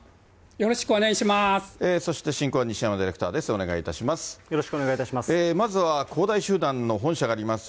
よろしくお願いします。